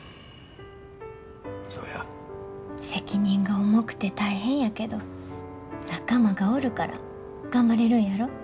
責任が重くて大変やけど仲間がおるから頑張れるんやろ。